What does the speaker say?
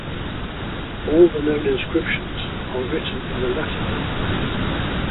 All the known inscriptions are written in the Latin alphabet.